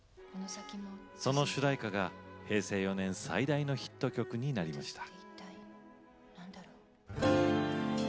その主題歌が平成４年最大のヒット曲になりました。